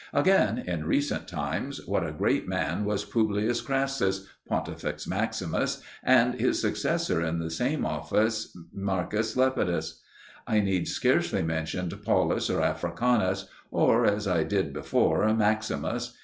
Again, in recent times, what a great man was Publius Crassus, Pontifex Maximus, and his successor in the same office, M. Lepidus! I need scarcely mention Paulus or Africanus, or, as I did before, Maximus.